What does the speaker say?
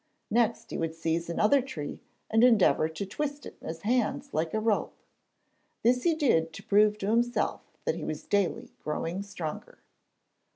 Next he would seize another tree and endeavour to twist it in his hands like a rope. This he did to prove to himself that he was daily growing stronger.